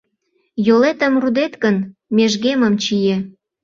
Йолетым рудет гын, межгемым чие: